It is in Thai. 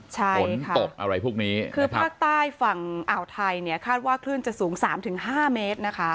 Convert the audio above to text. ใช่ฝนตกอะไรพวกนี้คือภาคใต้ฝั่งอ่าวไทยเนี่ยคาดว่าคลื่นจะสูงสามถึงห้าเมตรนะคะ